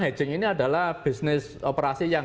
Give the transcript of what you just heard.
hedging ini adalah bisnis operasi yang